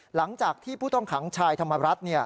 หลังจากที่ผู้ต้องขังชายธรรมรัฐ